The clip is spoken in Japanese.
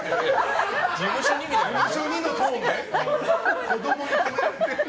事務所にのトーンで子供に止められてる。